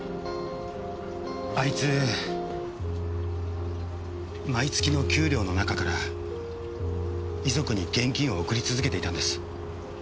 あいつ毎月の給料の中から遺族に現金を送り続けていたんです。